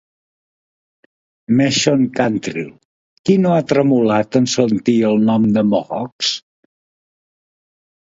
Meshon Cantrill, Qui no ha tremolat en sentir el nom de Mohocks?